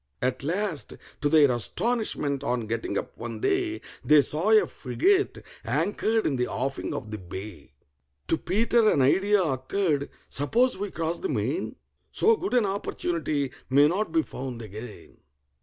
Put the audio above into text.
At last, to their astonishment, on getting up one day, They saw a frigate anchored in the offing of the bay. To PETER an idea occurred. "Suppose we cross the main? So good an opportunity may not be found again."